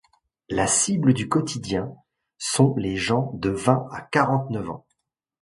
La cible du quotidien sont les gens de vingt à quarante-neuf ans.